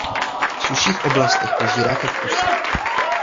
V sušších oblastech požírá kaktusy.